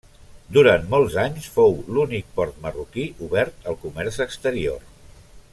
Durant molts anys, fou l'únic port marroquí obert al comerç exterior.